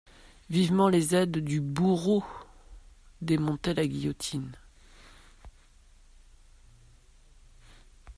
Vivement, les aides du bourreau démontaient la guillotine.